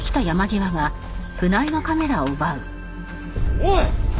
おい！